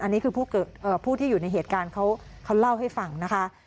อันนี้คือผู้ที่อยู่ในเหตุการณ์เขาเล่าให้ฟังนะคะ